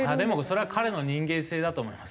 それは彼の人間性だと思います。